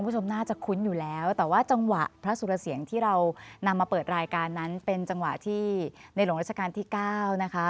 แต่ว่าจังหวะพระสุดเสียงที่เรานำมาเปิดรายการนั้นเป็นจังหวะที่ในหลงลักษรกาลที่เก้านะคะ